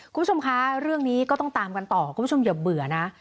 คุณผู้ชมคะเรื่องนี้ก็ต้องตามกันต่อคุณผู้ชมอย่าเบื่อนะ